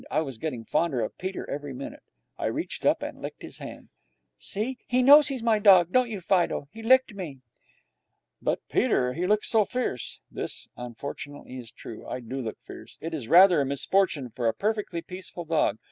I was getting fonder of Peter every minute. I reached up and licked his hand. 'See! He knows he's my dog, don't you, Fido? He licked me.' 'But, Peter, he looks so fierce.' This, unfortunately, is true. I do look fierce. It is rather a misfortune for a perfectly peaceful dog.